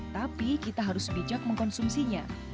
tapi kita harus bijak mengkonsumsinya